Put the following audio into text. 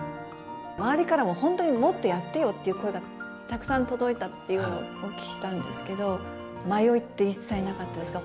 周りからは本当に、もっとやってよという声がたくさん届いたっていうの、お聞きしたんですけど、迷いって一切なかったですか？